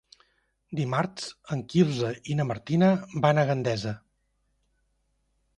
Dimarts en Quirze i na Martina van a Gandesa.